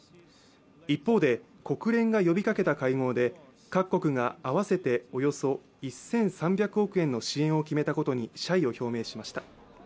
一方で、国連が呼びかけた会合で各国が合わせておよそ１３００億円の支援を決めたことに謝意を表明しました。